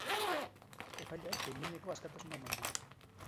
Epaileak behin-behineko askatasuna eman dio.